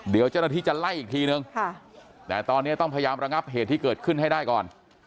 เดี๋ยวเจ้าหน้าที่จะไล่อีกทีนึงแต่ตอนนี้ต้องพยายามระงับเหตุที่เกิดขึ้นให้ได้ก่อน